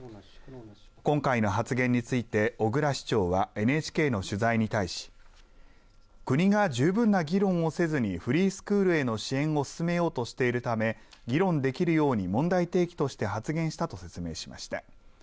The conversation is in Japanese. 今回の発言について小椋市長はＮＨＫの取材に対し国が十分な議論をせずにフリースクールへの支援を進めようとしているため議論できるように問題提起として発言したと説明しました。